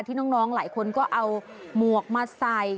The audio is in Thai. น้องหลายคนก็เอาหมวกมาใส่